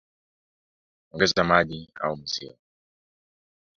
Ongeza maji au maziwa